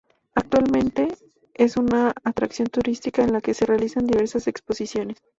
Actualmente es una atracción turística en la que se realizan diversas exposiciones.